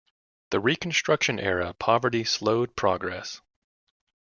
The reconstruction era poverty slowed progress.